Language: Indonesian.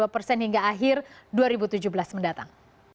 dua puluh persen hingga akhir dua ribu tujuh belas mendatang